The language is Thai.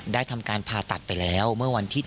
ทำการผ่าตัดไปแล้วเมื่อวันที่๗